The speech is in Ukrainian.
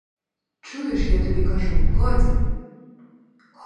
Чуєш, я тобі кажу: годі!